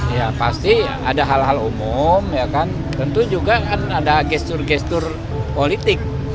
ya pasti ada hal hal umum tentu juga kan ada gestur gestur politik